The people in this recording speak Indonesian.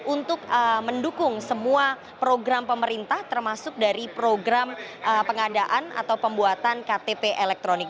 untuk mendukung semua program pemerintah termasuk dari program pengadaan atau pembuatan ktp elektronik